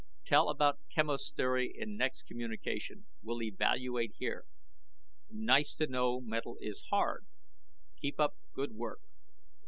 TELL ABOUT QUEMOS THEORY IN NEXT COMMUNICATION. WILL EVALUATE HERE. NICE TO KNOW METAL IS HARD. KEEP UP GOOD WORK.